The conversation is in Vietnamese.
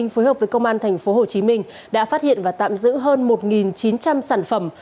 phối hợp với công an tp hcm đã phát hiện và tạm giữ hơn một chín trăm linh sản phẩm